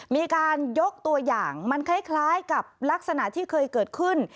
มีการยกตัวอย่างมันคล้ายกับลักษณะที่เคยเกิดขึ้น